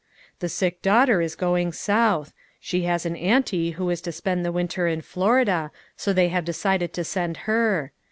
" The sick daughter is going South; she has an auntie who is to spend the winter in Florida, so they have de cided to send her.